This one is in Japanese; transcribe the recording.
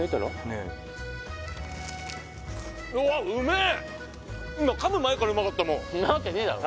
ねえそんなわけねえだろ